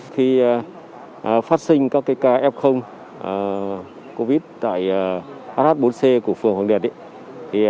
khi phát sinh các ca f covid tại hh bốn c của phường hoàng liệt